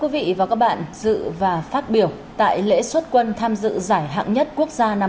vì màu cờ sắc áo của lực lượng công an nhân dân